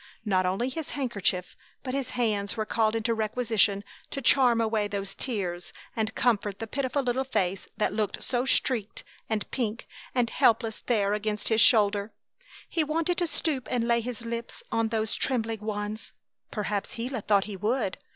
Not only his handkerchief but his hands were called into requisition to charm away those tears and comfort the pitiful little face that looked so streaked and pink and helpless there against his shoulder. He wanted to stoop and lay his lips on those trembling ones. Perhaps Gila thought he would.